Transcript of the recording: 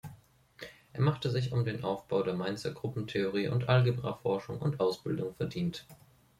Er machte sich um den Aufbau der Mainzer Gruppentheorie- und Algebra-Forschung und -Ausbildung verdient.